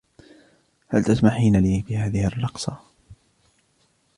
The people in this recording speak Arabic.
هل تسمحين لي بهذه الرقصة ؟